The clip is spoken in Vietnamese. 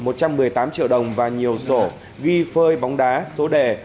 một trăm một mươi tám triệu đồng và nhiều sổ ghi phơi bóng đá số đề